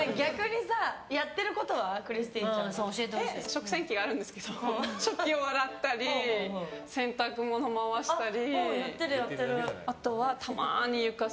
食洗機があるんですけど食器を洗ったり洗濯物を回したり。